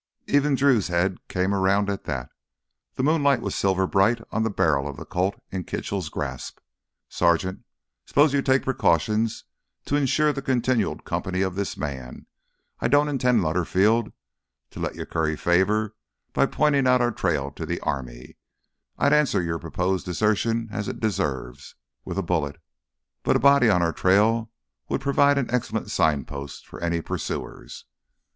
Even Drew's head came around at that. The moonlight was silver bright on the barrel of the Colt in Kitchell's grasp. "Sergeant, suppose you take precautions to insure the continued company of this man. I don't intend, Lutterfield, to let you curry favor by pointing out our trail to the army. I'd answer your proposed desertion as it deserves—with a bullet—but a body on our trail would provide an excellent signpost for any pursuers."